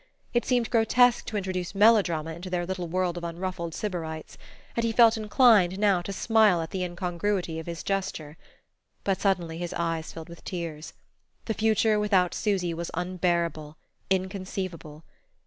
It seemed grotesque to introduce melodrama into their little world of unruffled Sybarites, and he felt inclined, now, to smile at the incongruity of his gesture.... But suddenly his eyes filled with tears. The future without Susy was unbearable, inconceivable.